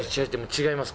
違います。